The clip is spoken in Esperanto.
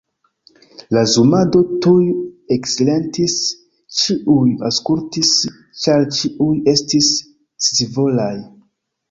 La zumado tuj eksilentis; ĉiuj aŭskultis, ĉar ĉiuj estis scivolaj.